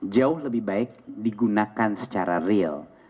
jauh lebih baik digunakan secara real